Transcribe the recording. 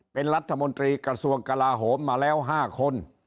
เป็นรัฐมนตรีกระทรวงกลาโหมมาแล้ว๕คน